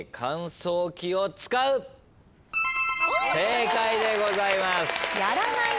正解でございます。